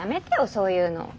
そういうの。